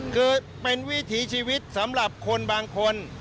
คือเป็นวิถีชีวิตสำหรับคนบางคน